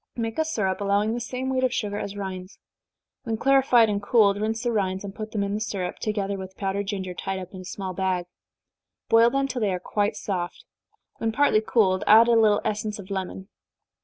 Make a syrup, allowing the same weight of sugar as rinds. When clarified and cooled, rinse the rinds, and put them in the syrup, together with powdered ginger, tied up in a small bag. Boil them till they are quite soft when partly cooled, add a little essence of lemon.